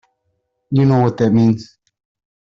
You know what that means.